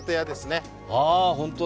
あホントだ。